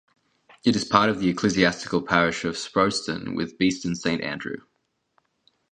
It is part of the ecclesiastical parish of Sprowston with Beeston Saint Andrew.